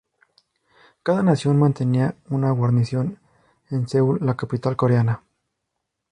Cada nación mantenía una guarnición en Seúl, la capital coreana.